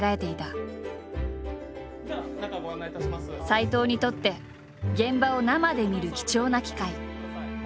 斎藤にとって現場を生で見る貴重な機会。